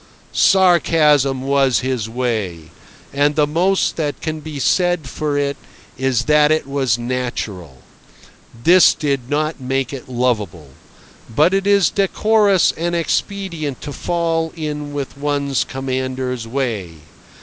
Sarcasm was "his way," and the most that can be said for it is that it was natural. This did not make it lovable. But it is decorous and expedient to fall in with one's commander's way.